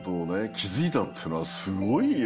きづいたっていうのはすごいよ。